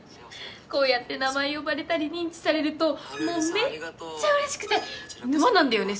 こうやって名前呼ばれたり認知されるともうめっちゃうれしくて沼なんだよね